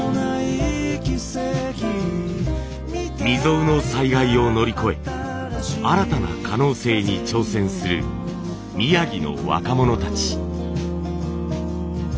未曽有の災害を乗り越え新たな可能性に挑戦する宮城の若者たち。